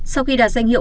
sau khi đạt danh hiệu